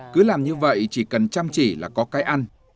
cứ làm như vậy chỉ cần chăm chỉ là có cái ăn